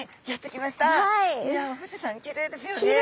きれいですね！